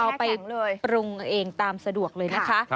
เอาไปปรุงเองตามสะดวกเลยนะคะ